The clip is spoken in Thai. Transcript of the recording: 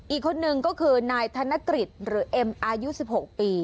อีกคนนึงก็คือนายธนกฤษหรือเอ็มอายุ๑๖ปี